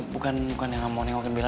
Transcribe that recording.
bukan bukan ya gak mau tengokin bella